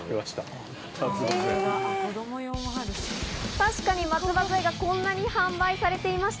確かに松葉杖がこんなに販売されていました。